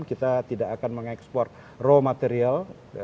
kita tidak akan mengekspor raw material